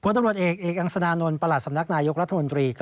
ตำรวจเอกเอกอังสนานนท์ประหลัดสำนักนายกรัฐมนตรี